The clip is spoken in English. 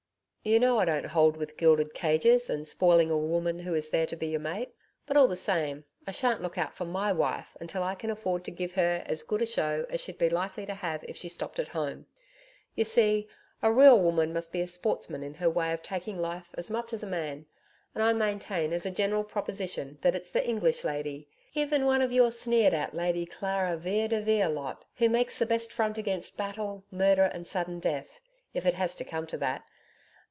'You know I don't hold with gilded cages and spoiling a woman who is there to be your mate. But all the same, I shan't look out for MY wife until I can afford to give her as good a show as she'd be likely to have if the stopped at home. You see, a real woman must be a sportsman in her way of taking life as much as a man, and I maintain as a general proposition that it's the English lady even one of your sneered at "Lady Clara Vere de Vere" lot who makes the best front against battle, murder, and sudden death if it has to come to that....